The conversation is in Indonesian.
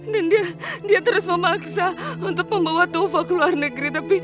dan dia terus memaksa untuk membawa tufa ke luar negeri